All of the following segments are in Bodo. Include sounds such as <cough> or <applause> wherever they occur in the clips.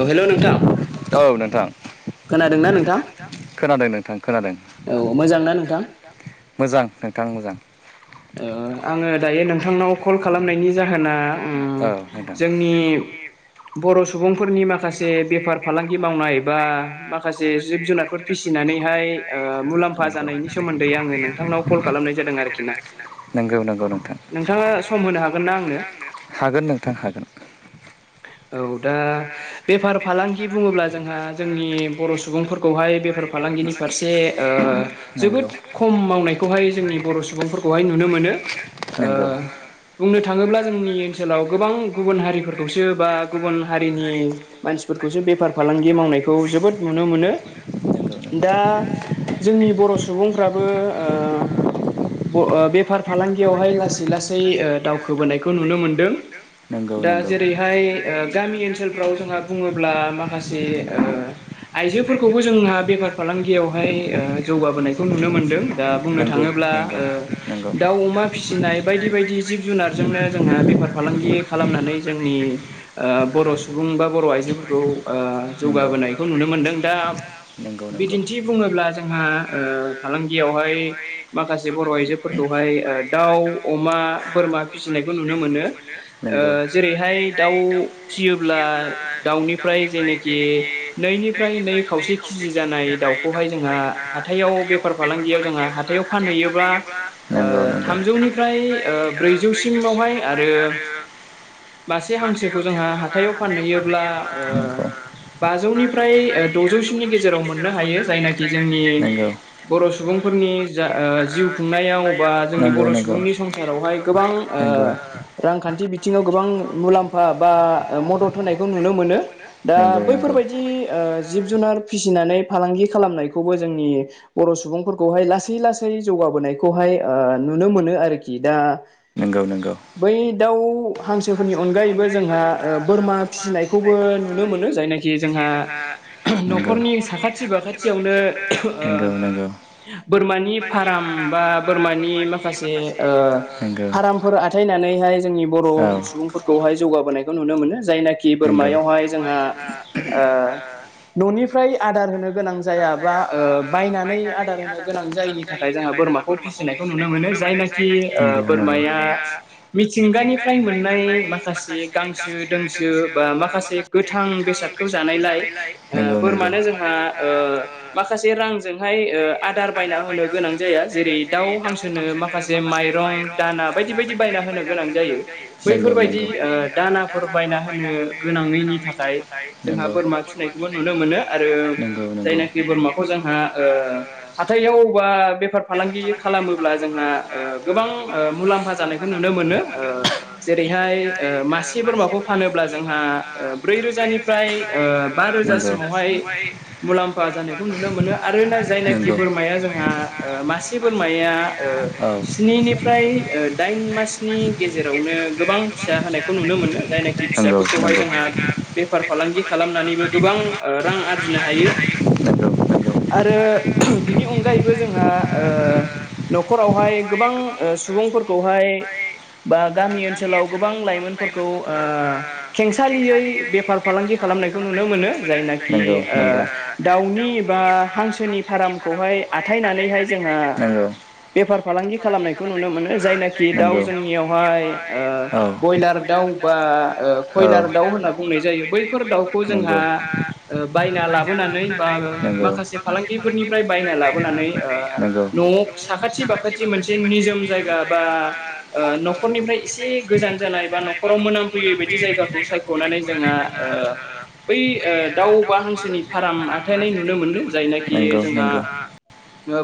औ हेलौ नोंथां खोनादों खोनादोंना नोंथां नोंथ खोनादों नोंथां खोनादों औ मोजांना नोंथां ओ मोजां नोंथां मोजां आङो दायो नोंथांनाव कल खालामनायनि जाहोना औ नोंथां जोंनि बर' सुबुंफोरनि माखासे माखासे बेफार फालांगि मावनाय बा माखासे जिब जुनारफोर फिसिनानैहाय मुलाम मुलाम्फा जानायनि सोमोन्दै आङो नोंथांनाव कल खालामनाय जादों आरोखि ना नंगौ नंगौ नोंथां नोंथाङा सम होनो हागोन ना आंनो <inaudible> हागोन नोंथां हागोन औ दा बेफार फालांगि बुङोब्ला जोंहा जोंनि बर' सुबुंफोरखौहाय बेफार फालांगि फालांगि फारसे जोबोद नंगौ खम मावनायखौहाय जोंनि बर' सुबुंफोरखौहाय नुनो मोनो नंगौ बुंनो थाङोब्ला जोंनि ओनसोलाव गोबां गुबुन हारिफोरखौसो बा गुबुन हारिनि मानसिफोरखौसो बेफार फालांगि मावनायखौ जोबोद नुनो मोनो दा जोंनि बर' सुबुंफ्राबो बेफार फालांगियावहाय लासै लासै दावखोबोनायखौ नुनो मोनदों नंगौ दा नंगौ जेरैहाय गामि ओनफ्राव जोंहा बुङोब्ला माखासे नंगौ आइजोफोरखौबो जोंहा बेफार फालांगियाव बेवहाय जौगाबोनायखौ नुनो मोनदों दा बुंनो थाङोब्ला ओ दा दाउ अमा फिसिनाय बायदि बायदि जिब जुनारजोंनो जोंहा नंगौ बेफार फालांगि खालामनानै जोंनि बर' सुबुं बा बर' आइजोफोरखौ नंगौ जौगाबोनायखौ नुनो मोनदों दा नंगौ नंगौ बिदिन्थि बुङोब्ला जोंहा फालांगियावहाय माखासे बर' आइजोफोरखौहाय दाउ अमा बोरमा फिसिनायखौ नुनो मोनो नंगौ जेरैहाय दाउ फिसियोब्ला दाउनिफ्राय जेनोखि नैनिफ्राय नै खावसे केजि जानाय दाउखौहाय जोंहा हाथायाव बेफार फालांगियाव जोंहा हाथायाव फानहैयो नंगौ थामजौनिफ्राय ब्रैजौसिमावहाय आरो मासे हांसोखौ जोंहा हाथायाव फानहैयोब्ला ओ बाजौनिफ्राय द'जौसिनि गेजेराव मोननो हायो जायनाखि जोंनि बर' सुबुंफोरनि जा ओ जिउ खुंनायाव बा जोंनि बर' सुबुंनि संसारावहाय गोबां ओ रांखान्थि बिथिङाव गोबां गोबां मुलाम्फा बा मदद होनायखौ नुनो मोनो दा आ नंगौ बैफोरबायदि जिब जुनार फिसिनानै फालांगि खालामनायखौबो जोंनि बर' सुबुंफोरखौहाय लासै लासै जौगाबोनायखौहाय ओ नुनो मोनो आरोखि दा नंगौ नंगौ बै दाउ हांसोफोरनि अनगायैबो जोंहा ओ बोरमा फिसिनायखौबो नुनो मोनो जायना खि जोंहा न'खरनि साखाथि फाखाथियावनो बोरमानि फार्म बा बोरमानि माखासे ओ नंगौ फार्मफोर आथायनानैहाय जोंनि बर' सुबुंफोरखौहाय जौगाबोनायखौ नुनो मोनो जायनाखि बोरमायावहाय जोंहा ओ न'निफ्राय आदार होनो गोनां जाया बा ओ बायनानै आदार होनो गोनां जायिनि थाखा जों बोरमाखौ फिसिनायखौ नुनो मोनो जायनाखि बोरमाया मिथिंगानिफ्राय मोन मोननाय माखासे गांसो दोंसो बा माखासे गोथां बेसादखौ जानायलाय ओ बोरमानो जोंहा ओ माखासे रांजोंहाय ओ आदार बायना होनो गोनां जाया जेरै दावउ हांसोनो माखासे माइरं दाना बायदि बायदि बायना होनो गोनां जायो नंगौ बैफोरबायदि ओ दानाफोर बायना होनो गोनाङैनि थाखाय जोंहा नंगौ बोरमा फिसिनायखौ नुनो मोनो आरो नंगौ जायनाखि बोरमाखौ जोंहा ओ हाथायावबा बे फालांगि खालामोब्ला जोंहा ओ गोबां मुलाम्फा जानायखौ ओ नुनो मोनो जेरैहाय बेहाय मासे बोरमाखौ फानोब्ला जोंहा ब्रै रोजानिफ्राय बा रोजासिमावहाय मुलाम्फा जानायखौ नुनो मोनो आरोना जायनाखि बोरमाया जोंहा ओ मासे बोरमाया ओ स्निनिफ्राय दाइन मासनि गेजेरावनो गोबां फिसा होनायखौ नुनो मोन जायनाखि फिसाफोरखौहाय जोंहा बेफार फालांगि खालामनानैबो गोबां रां आरजिनो हायो नंगौ नंगौ आरो बिनि अनगायैबो जोंहा ओ न'खरावहाय गोबां ओ सुबुंफोरखौहाय बा गामि ओनसोलाव गोबां लाइमोनफोरखौ खेंसालियै बेफार फालांगि खालामनायखौ नुनो मोनो जायनाखि ओ दाउनि बा हांसोनि फार्मखौहाय आ जनानैहाय जोंहा बेफार फालांगि खालामनायखौ नुनो मोनो जायना खि दाउ नंगौ जोंनियावहाय ओ औ बयलार दाउ बा औ कयलार दाउ होनना बु नाय जायो बैफोर दाउखौ जोंहा नंगौ ओ बायना लाबोनानै बा माखासे फालांगिफोरनिफ्राय बायना लाबो बोनानै नंगौ साखाथि बाखाथि मोनसे निजोम जायगा बा ओ न'खरनिफ्राय एसे गोजान जानाय बा न'खराव मोनामफैयै बायदि जायगाखौ सायख'नानै जोङो <unintelligible> बै दाउ बा हांसोनि फार्म हथायनाय नुनो मोनो जायनाखि जोंहा नोंगौ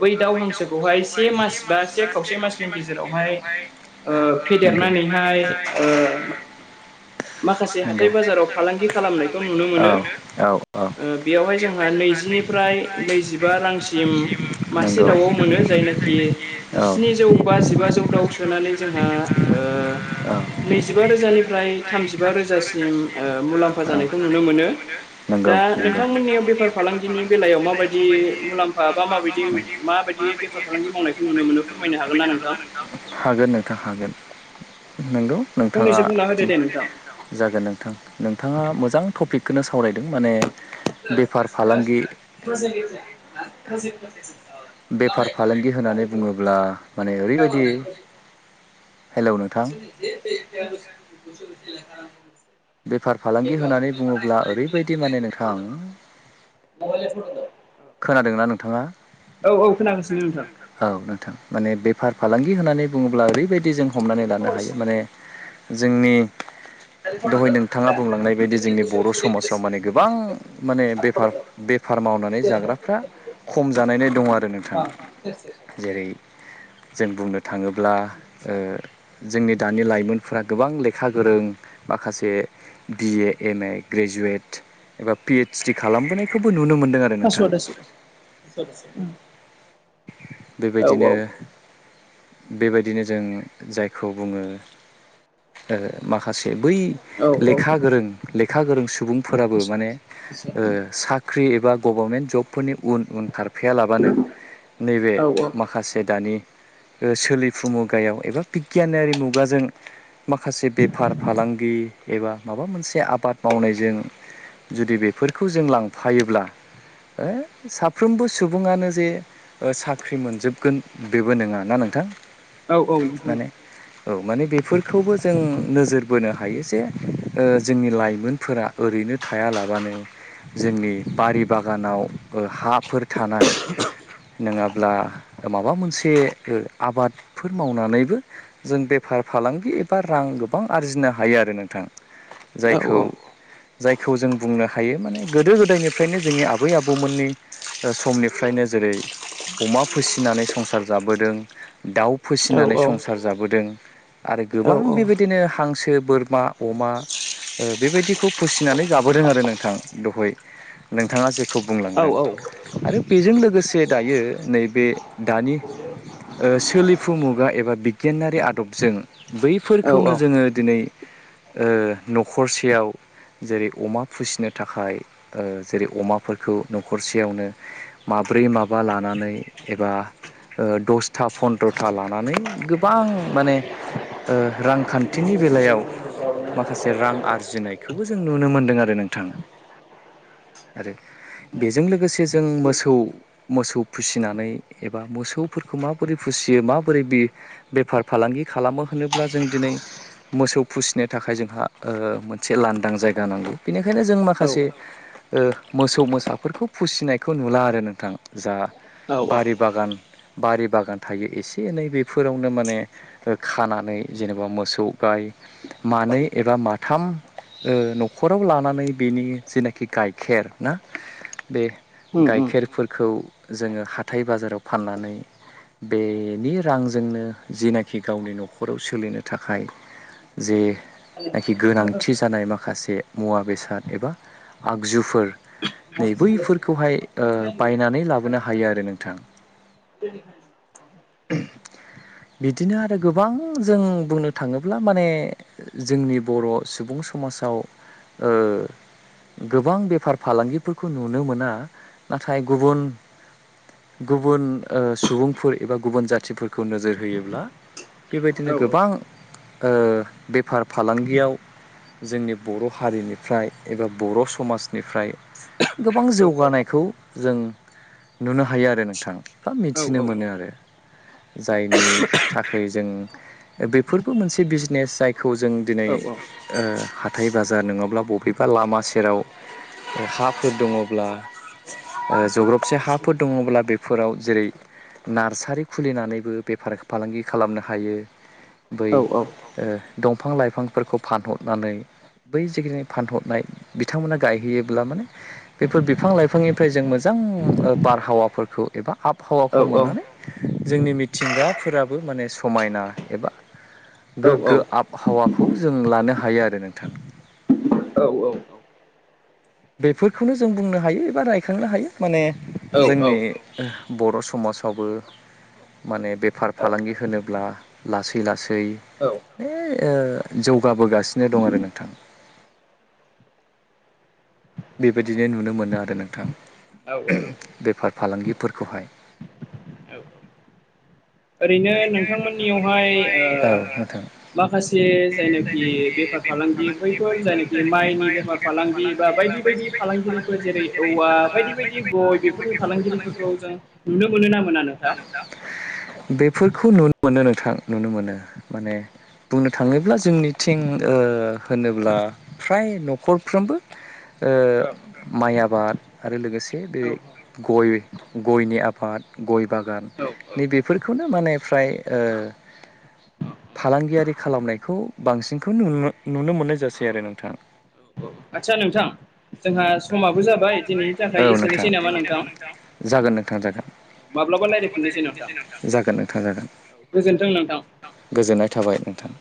बै दाव हांसोखौहाय से मास बा से खावसे मासनि गेजेरावहाय नंगौ फेदेरनानैहाय ओ माखासे हाथाय नंगौ बाजाराव फालांगि खालामनायखौ नुनो औ मोनो औ औ ओ बेयावहाय जोंहा नैजिनिफ्राय नैजिबा रांसिम मासे नंगौ दाउआव मोनो जायनाखि औ औ जिस्नि जौ बा जिबा जौ दाउ सोनानै जोंहा ओ नैजिबा रोजानिफ्राय थामजिबा रोजासिम ओ मुलाम्फा औ जानायखौ नुनो मोनो नंगौ दा नंगौ नोंथांमोननियाव बेफार फालांगिनि बेलायाव माबायदि मुलाम्फा बा माबायदि माबायदि बेफारफालांगि मावनायखौ नुनो मोनो फोरमायनो हागोना नों थां हागोन नोंथां हागोन नंगौ नोंथाङा फंनैसो बुंना होदो दे नोंथां जागोन नोंथां नोंथाङा मोजां टपिकखौनो सावरायदों माने बेफार फालांगि <unintelligible> बेफार फालांगि होननानै बुङोब्ला माने ओरैबाय <unintelligible> नोंथां <unintelligible> बेफार फालांगि होननानै बुङोब्ला ओरैबायदि माने नोंथां <unintelligible> खोनादोंना नोंथाङा औ औ खोनागासिनो नोंथां औ नोंथां माने बेफार फालांगि होननानै बुङोब्ला ओरैबायदि जों हमनानै लानो हायो माने जोंनि दहाय नोंथाङा बुंलांनाय बायदि जोंनि बर' समाजाव माने गोबां माने बेफार बेफ फार मावनानै जाग्राफ्रा खम जानायनो दङ आरो नोंथां जेरै जों बुंनो थाङोब्ला ओ जोंनि दानि लाइमोनफोरा गोबां लेखा गोरों माखासे बिए एम ए ग्रेजुवेट एबा पि सिथि खालामबोनायखौबो नुनो मोनदों आरो नोंथां पासवार्डआसो औ बेबायदिनो बेबायदिनो जों जायखौ बुङो ओ माखासे बै औ लेखा गोरों लेखा गोरों सुबुंफोराबो माने ओ साख्रि एबा गभर्नमेन्ट जबफोरनि उन उन खारफायालाबानो नैबे औ माखासे दानि ओ सोलिफु मुगायाव एबा बिगियानारि मुगाजों माखासे बेफार गि एबा माबा मोनसे आबाद मावनायजों जुदि बेफोरखौ जों लांफायोब्ला ओ साफ्रोमबो सुबुङानो जे साख्रि मोनजोबगोन बेबो नोङा ना नोंथां औ नोंथां औ माने औ माने बेफोरखौबो जों नोजोर बोनो हायो जे ओ जोंनि लाइमोनफोरा ओरैनो थायालाबानो जोंनि बारि बागानाव ओ हाफोर थानाय नोङाब्ला माबा मोनसे ओ आबादफोर मावनानैबो जों बेफा फार फालांगि एबा रां गोबां आरजिनो हायो आरो नोंथां जायखौ जायखौ जों बुंनो हायो माने गोदो गोदायनिफ्रायनो जोंनि आबै आबौमोननि ओ समनिफ्रायनो जेरै अमा फोसिनानै संसार जाबोदों दाउ फोसिनानै संसार जाबोदों आरो गोबां बेबायदिनो हांसो बोरमा अमा ओ बेबायदिखौ फोसिनानै जाबोदों आरो नोंथां दहोय नोंथाङा जे खौ बुंलांदों आरो बेजों लोगोसे दायो नैबे दानि ओ सोलिफु मुगा एबा बिगियानारि आदबजों बैफोरखौनो जोङो दिनै ओ न'खरसेयाव जेरै अमा फोसिनो थाखाय जेरै अमाफोरखौ न'खरसेयावनो माब ब्रै माबा लानानै एबा ओ दसथा फन्द्रथा लानानै गोबां माने ओ रांखान खाथिनि बेलायाव माखासे रां आरजिनायखौबो जों नुनो मोनदों आरो नोंथां आरो बेजों लोगोसे जों मोसौ मोसौ फोसिनानै एबा मोसौफोरखौ माबोरै फोसि सियो माबोरै बे बेफार फालांगि खालामो होनोब्ला जों दिनै मोसौ फोसिनो थाखाय जोंहा मोनसे लांदां जायगा नांगौ बेनिखायनो जों माखासे ओ मोसौ मोसाफोरखौ फोसिनायखौ नुला आरो नोंथां जा औ औ बारि बागान बारि बागान थायो एसे एनै बेफोरावनो माने ओ खानानै जेनेबा मोसौ गाय मानै एबा माथाम न'खराव लानानै बेनि जेनाखि गाइखेर ना बे उम उम गाइखेरफोरखौ जोङो हाथाइ बाजाराव फाननानै बेनि रांजोंनो जनाखि गावनि न'खराव सोलिनो थाखाय जे नाखि गोनांथि जानाय माखासे मुवा बेसाद एबा आगजुफोर नै बैफोरखौहाय बायनानै लाबोनो हायो आरो नोंथां <unintelligible> बिदिनो आरो गोबां जों बुंनो थाङोब्ला अब्ला माने जोंनि बर' सुबुं समाजाव गोबां बेफार फालांगिफोरखौ नुनो मोना नाथाय गुबुन गुबुन सुबुंफोर एबा गुबुन जाथिफोरखौ नोजोर होयोब्ला औ बेबायदिनो गोबां बेफार फालांगियाव जोंनि बर' हारिनिफ्राय एबा बर' समाजनिफ्राय गोबां औ औ जौगानायखौ जों नुनो हायो आरो नोंथां एफा औ मिथिनो औ मोनो आरो जायनि थाखाय जों बेफोरबो मोनसे मोनसे बिजनेस जायखौ जों दिनै औ ह बाजार नङाब्ला बबेबा लामा सेराव हाफोर दङब्ला जग्रबसे हाफोर दङब्ला बेफोराव जेरै नार्सारि खुलिनानैबो बेफार फालांगि खालामनो हायो बै दंफां लाइफांफोरखौ फानहरनानै बै जिखिनि फानहरनाय बिथांमोना गायहैयोब्ला माने बेफोर बिफां लाइफांनिफ्राय जों मोजां बारहावाफोरखौ एबा आब बहावाखौ मोननानै जोंनि मिथिंगाफोराबो माने समायना एबा गोगो औ आबहावाखौ जों लानो हायो आरो नोंथां औ औ औ बेफोरखौनो जों बुंनो हायो एबा रायखांनो हायो माने औ जोंनि बर' समाजावबो माने बेफार औ फालांगि होनोब्ला लासै लासै औ दैै जौगाबोगासिनो दं आरो नोंथां बेबायदिनो नुनो मोनो आरो नोंथां औ बेफार फालांगिफोरखौहाय औ ओरैनो नोंथांमोननियावहाय औ नोंथां माखासे जायनाखि बेफार फालांगि बैफोर जायनाखि माइनि बेफार फालांगि बा बायदि बायदि बायदि फालांगिरिफोर जेरै औवा बायदि बायदि गय बेफोरनि फालांगिरिफोरखौ जों नुनो मोनो मोनोना मोना नोंथां बेफोरखौ नुनो मोनो नोंथां नुनो मोनो माने बुंनो थाङोब्ला जोंनिथिं होनोब्ला फ्राय न'खरफ्रोमबो औ माइ आबाद आरो लोगोसे बे औ गय गयनि आबाद गय बागान औ औ नैबेफोरखौनो माने फ्राय औ फालांगियारि खालामनायखौ बांसिनखौ नु नुनो मोननाय जासै आरो नोंथाङा औ आदसा नोंथां जोंहा समाबो जाबाय दिनैनि औ थाखाय नोंथां एसेनोसै नामा नोंथां जागोन नों माब्लाबा रायलायफिननोसै नोंथां जागोन नोंथां जागोन गोजोन्थों नोंथां गोजोननाय थाबाय नोंथां